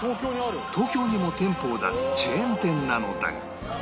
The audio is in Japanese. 東京にも店舗を出すチェーン店なのだが